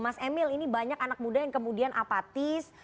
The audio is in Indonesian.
mas emil ini banyak anak muda yang kemudian apatis